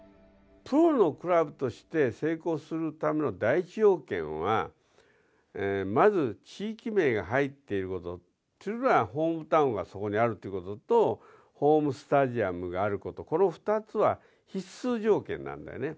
プロのクラブとして成功するための第一条件はまず地域名が入っていることというのはホームタウンがそこにあるということとホームスタジアムがあることこの２つは必須条件なんだよね